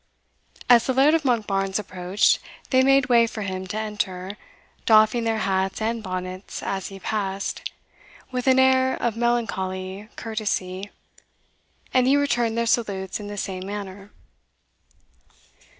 As the Laird of Monkbarns approached, they made way for him to enter, doffing their hats and bonnets as he passed, with an air of melancholy courtesy, and he returned their salutes in the same manner.